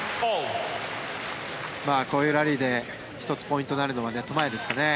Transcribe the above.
こういうラリーで１つポイントになるのはネット前ですよね。